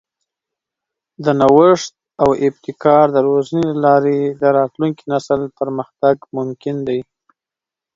د نوښت او ابتکار د روزنې له لارې د راتلونکي نسل پرمختګ ممکن دی.